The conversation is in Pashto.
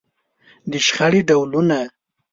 د شخړې ډولونه.